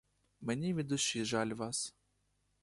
Мені від душі жаль вас.